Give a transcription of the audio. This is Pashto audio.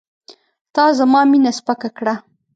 تا زما مینه سپکه کړه.